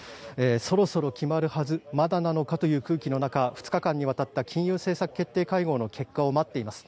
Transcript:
そろそろ決まるはずまだなのかという空気の中２日間にわたった金融政策決定会合の結果を待っています。